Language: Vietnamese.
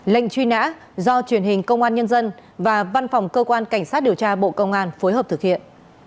lệnh truy nã do truyền hình công an nhân dân và văn phòng cơ quan cảnh sát điều tra bộ công an phối hợp thực hiện